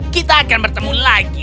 kita akan bertemu lagi